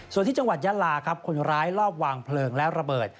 ส่วนที่จังหวัดยาลาครับคนร้ายรอบวางเพลิงและระเบิด